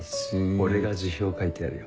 俺が辞表書いてやるよ。